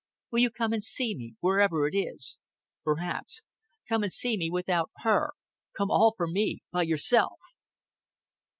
"Will you come and see me, wherever it is?" "Perhaps." "Come and see me without her. Come all for me, by yourself."